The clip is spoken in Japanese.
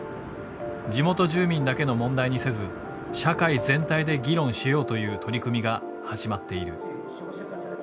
地元住民だけの問題にせず社会全体で議論しようという取り組みが始まっている。